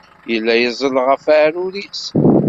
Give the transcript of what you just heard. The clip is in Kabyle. Yella yeẓẓel ɣer uɛrur-is.